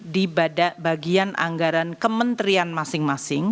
di bagian anggaran kementerian masing masing